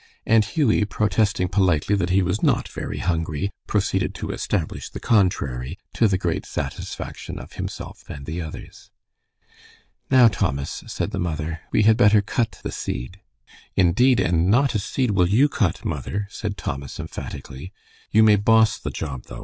And Hughie, protesting politely that he was not very hungry, proceeded to establish the contrary, to the great satisfaction of himself and the others. "Now, Thomas," said the mother, "we had better cut the seed." "Indeed, and not a seed will you cut, mother," said Thomas, emphatically. "You may boss the job, though.